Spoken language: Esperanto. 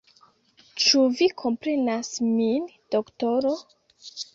Ĉu vi komprenas min, doktoro?